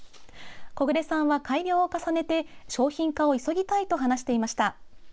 木榑さんは改良を重ねて商品化を急ぎたいと話していました。